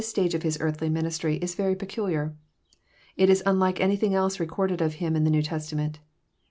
stage of His earthly ministry, is very peculiar. It is unlike anything else recorded of Him in the New Tes tament.